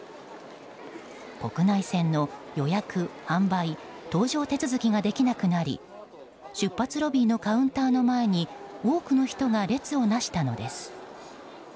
国内線の予約・販売搭乗手続きができなくなり出発ロビーのカウンターの前に多くの人が列をなしたのです。